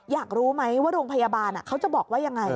อยากรู้ไหมว่าโรงพยาบาลเขาจะบอกว่ายังไง